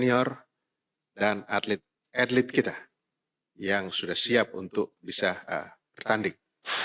menjadi tempat untuk sentra atlet senior dan atlet kita yang sudah siap untuk bisa bertanding